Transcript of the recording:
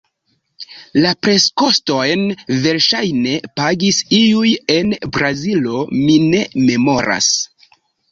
La preskostojn verŝajne pagis iuj en Brazilo – mi ne memoras.